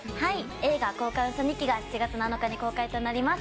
映画「交換ウソ日記」が７月７日から公開となります。